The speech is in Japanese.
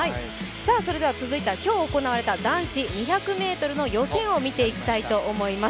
それでは今日行われた男子２００ｍの予選を見ていきたいと思います。